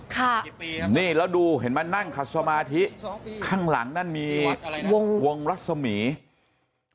ค่ะนี่แล้วดูเห็นไหมนั่งขัดสมาธิข้างหลังนั่นมีวงรัศมีร์